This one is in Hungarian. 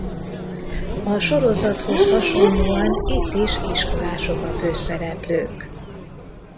A sorozathoz hasonlóan itt is iskolások a főszereplők.